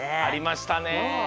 ありましたね。